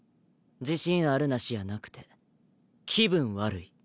自信あるなしやなくて気分悪い。